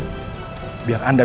bukti baru apa